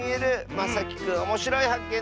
まさきくんおもしろいはっけん